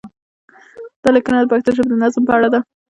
دا لیکنه د پښتو ژبې د نظم په اړه ده.